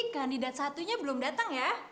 tadi kan satu nya belum datang ya